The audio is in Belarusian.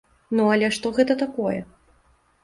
Ну але што гэта такое?